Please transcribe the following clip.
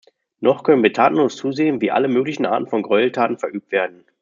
Noch können wir tatenlos zusehen, wie alle möglichen Arten von Gräueltaten verübt werden.